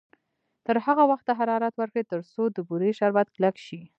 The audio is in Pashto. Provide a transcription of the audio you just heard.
تر هغه وخته حرارت ورکړئ تر څو د بورې شربت کلک شي.